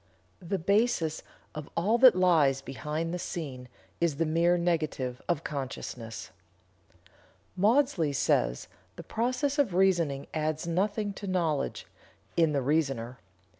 The basis of all that lies behind the scene is the mere negative of consciousness." Maudsley says: "The process of reasoning adds nothing to knowledge (in the reasoner).